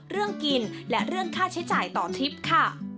เรื่องกินและเรื่องค่าใช้จ่ายต่อทริปค่ะ